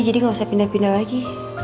jadi gak usah pindah pindah lagi